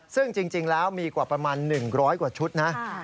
ซึ่งจริงแล้วมีกว่าประมาณ๑๐๐กว่าชุดนะ